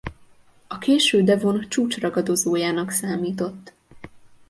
A késő devon csúcsragadozójának számított.